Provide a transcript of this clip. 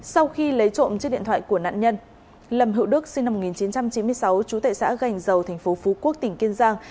sau khi lấy trộm chiếc điện thoại của nạn nhân lầm hữu đức sinh năm một nghìn chín trăm chín mươi sáu chú tệ xã gành dầu thành phố phú quốc tỉnh kiên giang